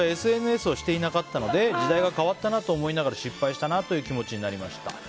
私はＳＮＳをしていなかったので時代が変わったなと思いながら失敗したなという気持ちになりました。